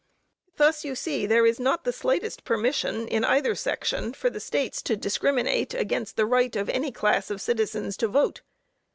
Thus you see, there is not the slightest permission in either section for the States to discriminate against the right of any class of citizens to vote.